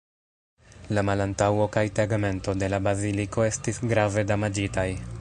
La malantaŭo kaj tegmento de la baziliko estis grave damaĝitaj.